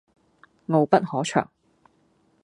傲不可長